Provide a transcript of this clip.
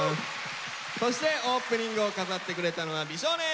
そしてオープニングを飾ってくれたのは美少年！